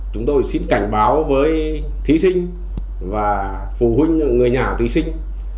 chúng tôi xin cảnh báo với thí sinh và phụ huynh người nhà thí sinh